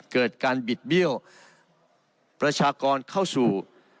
เกิดการบิดเบี้ยวประชากรเข้าสู่